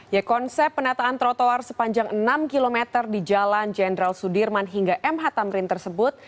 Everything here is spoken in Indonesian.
ya konsep penataan trotoar sepanjang enam km di jalan jenderal sudirman hingga mh tamrin tersebut